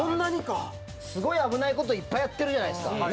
すごい危ない事いっぱいやってるじゃないですか。